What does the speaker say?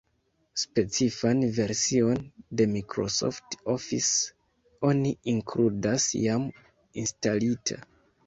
Specifan version de Microsoft Office oni inkludas jam instalita.